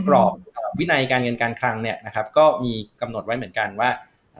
ปร่อมวินัยการเงินการคลังก็มีกำหนดไว้เหมือนกันว่า